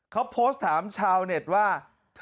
เขาโพสต์ถามชาวเน็ตว่า